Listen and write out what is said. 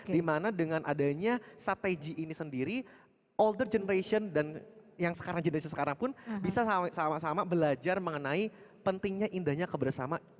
dimana dengan adanya strategi ini sendiri older generation dan yang sekarang generation sekarang pun bisa sama sama belajar mengenai pentingnya indahnya kebersamaan